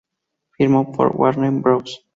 Firmó por Warner Bros.